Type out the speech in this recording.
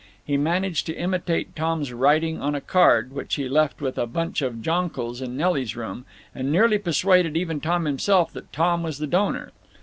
He managed to imitate Tom's writing on a card which he left with a bunch of jonquils in Nelly's room, and nearly persuaded even Tom himself that Tom was the donor.